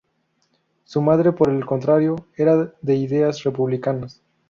Su madre, por el contrario, era de ideas republicanas.